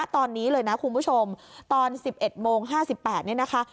ตอนนี้เลยนะคุณผู้ชมตอน๑๑โมง๕๘นี่นะคะ